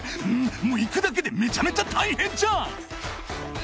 行くだけでめちゃめちゃ大変じゃん］